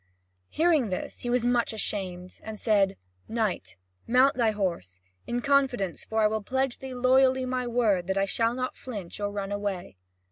Hearing this, he was much ashamed, and said: "Knight, mount thy horse, in confidence for I will pledge thee loyally my word that I shall not flinch or run away."